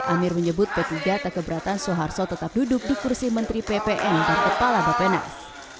amir menyebut p tiga tak keberatan soeharto tetap duduk di kursi menteri ppn dan kepala bapenas